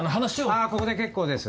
あぁここで結構です。